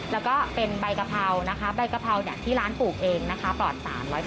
แล้วก็เป็นใบกะเพรานะคะใบกะเพราที่ร้านปลูกเองนะคะปลอด๓๐